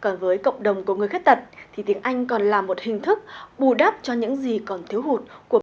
còn với cộng đồng của người khách tật thì tiếng anh còn là một hình thức bù đắp cho những gì còn thiếu hụt của mọi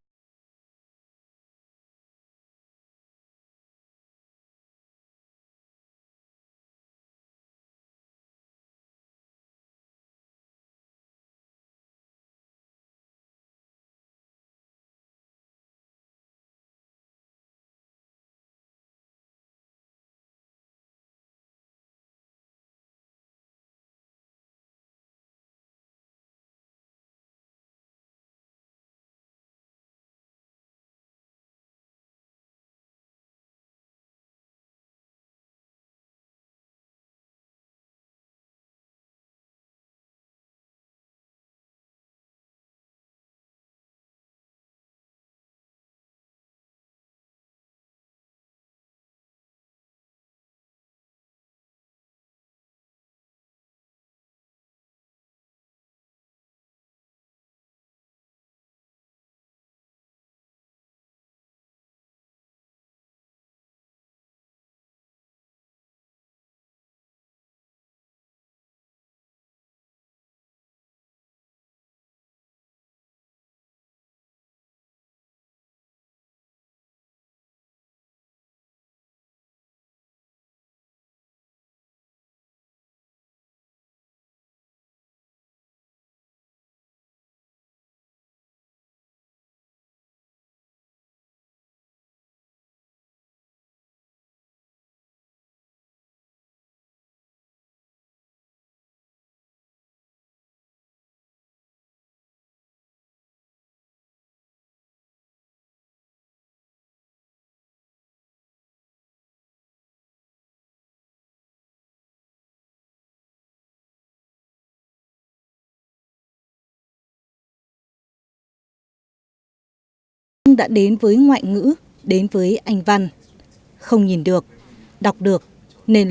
người